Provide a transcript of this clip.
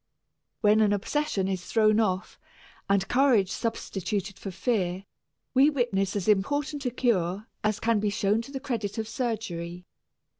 When an obsession is thrown off and courage substituted for fear, we witness as important a "cure" as can be shown to the credit of surgery.